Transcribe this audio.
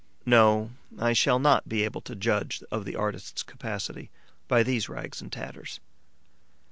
No, I shall not be able to judge of the artist's capacity by these rags and tatters.